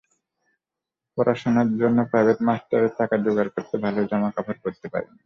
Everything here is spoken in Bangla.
পড়াশোনার জন্য, প্রাইভেট মাস্টারের টাকা জোগাড় করতে ভালো জামা কাপড় পরতে পারেননি।